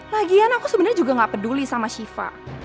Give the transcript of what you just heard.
lagian aku sebenernya juga gak peduli sama siva